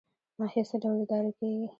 ناحیه څه ډول اداره کیږي؟